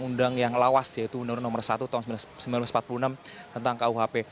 undang yang lawas yaitu undang undang nomor satu tahun seribu sembilan ratus empat puluh enam tentang kuhp